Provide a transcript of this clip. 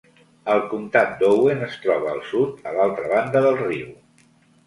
El comtat d'Owen es troba al sud, a l'altra banda del riu.